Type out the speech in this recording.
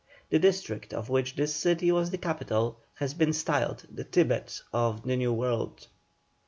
The district of which this city was the capital has been styled the Thibet of the New World.